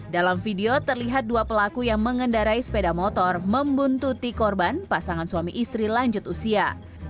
dalam video terlihat dua pelaku yang mengendarai sepeda motor membuntuti korban pasangan suami istri lanjut usia